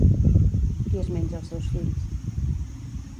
Qui es menja els seus fills?